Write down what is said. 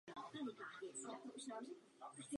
Přejděme k některým konkrétním faktům.